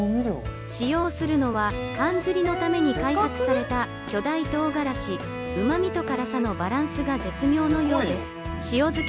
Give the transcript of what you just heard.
使用するのは、かんずりのために開発された巨大とうがらし、うまみと辛さのバランスが絶妙のようです。